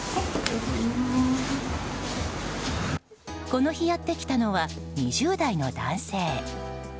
この日、やってきたのは２０代の男性。